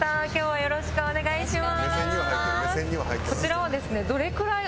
よろしくお願いします。